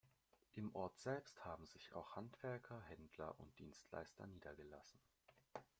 Im Ort selbst haben sich auch Handwerker, Händler und Dienstleister niedergelassen.